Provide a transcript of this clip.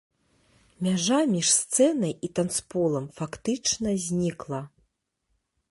Мяжа між сцэнай і танцполам фактычна знікла.